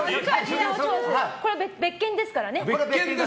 これ、別件ですからね。